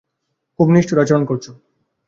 খুব নিষ্ঠুর আচরণ করছো।